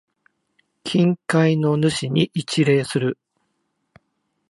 近海の主に一礼する。